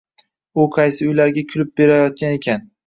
U qaysi uylarga kulib berayotgan ekan